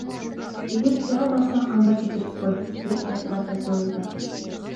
Эгер кире албасан, анда кечирип кой, — деп айтылат жазууда.